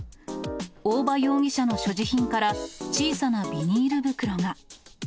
大場容疑者の所持品から、小さなビニール袋が。